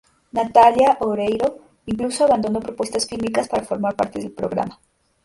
Natalia Oreiro incluso abandonó propuestas fílmicas para formar parte del programa.